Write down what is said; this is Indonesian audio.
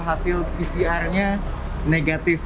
hasil pcr nya negatif